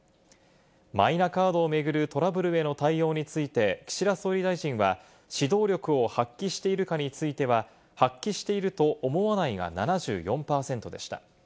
マイナカードを巡るトラブルへの対応について、岸田総理大臣は、指導力を発揮しているかについては、発揮していると思わないが７４％でした。